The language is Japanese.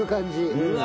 うわ！